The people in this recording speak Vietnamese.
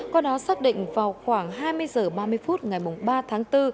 có đó xác định vào khoảng hai mươi giờ ba mươi phút ngày ba tháng bốn